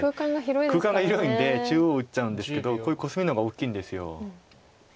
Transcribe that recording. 空間が広いんで中央打っちゃうんですけどこういうコスミの方が大きいんです。